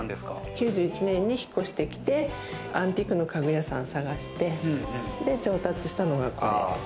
９１年に引っ越してきて、アンティークな家具屋さんを探して、調達したのがこれ。